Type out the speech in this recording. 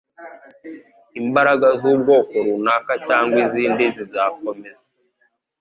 Imbaraga z'ubwoko runaka cyangwa izindi zizakomeza